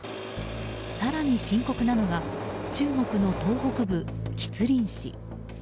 更に深刻なのが中国の東北部吉林市。